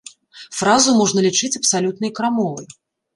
Фразу можна лічыць абсалютнай крамолай.